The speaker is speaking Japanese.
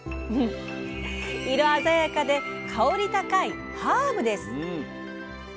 色鮮やかで香り高いハーブです。